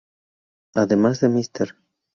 Además de Mr.